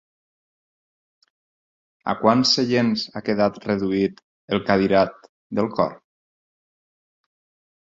A quants seients ha quedat reduït el cadirat del cor?